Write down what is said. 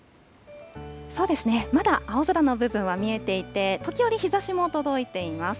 そうですね、まだ青空の部分は見えていて、時折、日ざしも届いています。